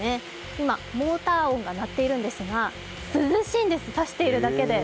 今、モーター音が鳴っているんですが涼しいんです、差しているだけで。